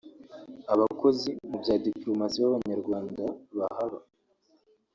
abakozi mu bya dipolomasi b’Abanyarwanda bahaba